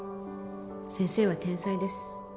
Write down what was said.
先生は天才です。